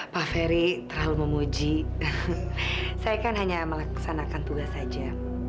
pak ferry terlalu memuji saya kan hanya melaksanakan tugas saja